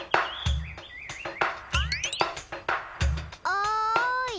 おい！